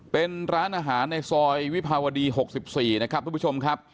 เป็นร้านอาหารในซอยวิภาวดี๖๔นะครับทุกผู้ชมครับ